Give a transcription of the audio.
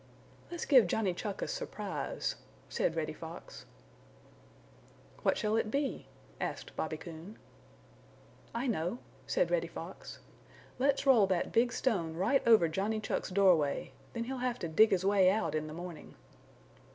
"Let's give Johnny Chuck a surprise," said Reddy Fox. "What shall it be?" asked Bobby Coon. "I know," said Reddy Fox. "Let's roll that big stone right over Johnny Chuck's doorway; then he'll have to dig his way out in the morning."